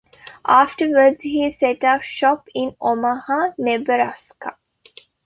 Afterwards, he set up shop in Omaha, Nebraska.